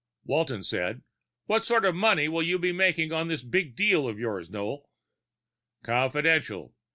Walton said, "What sort of money will you be making on this big deal of yours, Noel?" "Confidential!